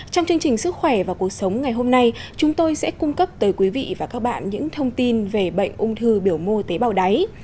trong chương trình sức khỏe và cuộc sống ngày hôm nay chúng tôi sẽ cung cấp tới quý vị và các bạn những thông tin về bệnh ung thư biểu mô tế bào đáy